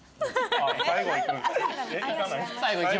最後いく。